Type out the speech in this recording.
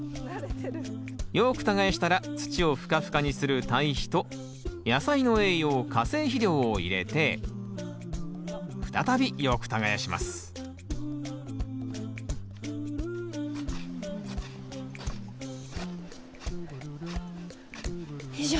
よく耕したら土をふかふかにする堆肥と野菜の栄養化成肥料を入れて再びよく耕しますよいしょ。